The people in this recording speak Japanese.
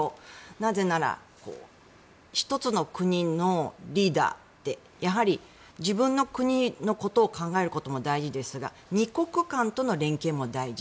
なぜなら１つの国のリーダーってやはり自分の国のことを考えることも大事ですが２国間との連携も大事。